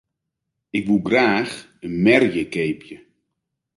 Ik woe graach in merje keapje.